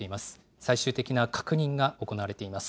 最終的な確認が行われています。